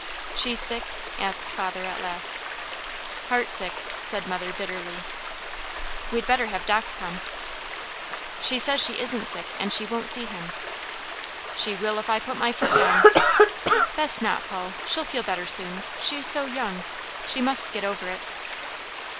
"She's sick?" asked father, at last. "Heartsick!" said mother bitterly. "We'd better have Doc come?" "She says she isn't sick, and she won't see him." "She will if I put my foot down." "Best not, Paul! She'll feel better soon. She's so young! She must get over it."